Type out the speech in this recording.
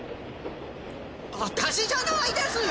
私じゃないですよ。